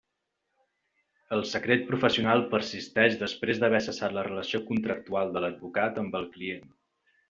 El secret professional persisteix després d'haver cessat la relació contractual de l'advocat amb el client.